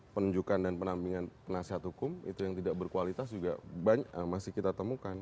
penunjukan dan penampingan penasihat hukum itu yang tidak berkualitas juga masih kita temukan